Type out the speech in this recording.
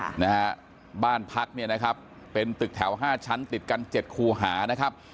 ค่ะนะฮะบ้านพักเนี่ยนะครับเป็นตึกแถวห้าชั้นติดกันเจ็ดคู่หานะครับ